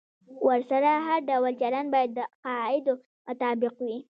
ورسره هر ډول چلند باید د قاعدو مطابق وي.